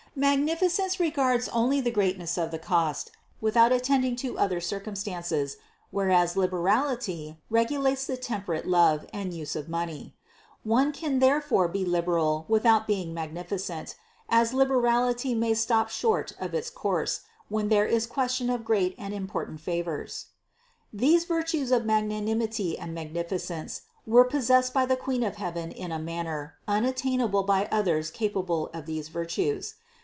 Magnificence regards only the greatness of the cost, without attending to other circumstances, whereas liberal ity regulates the temperate love and use of money. One can therefore be liberal without being magnificent, as lib erality may stop short of its course, when there is ques tion of great and important favors. 579. These virtues of magnanimity and magnificence were possessed by the Queen of heaven in a manner, un attainable by others capable of these virtues.